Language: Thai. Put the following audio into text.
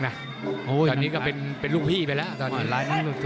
ตอนนี้ก็เป็นลูกพี่ไปแล้ว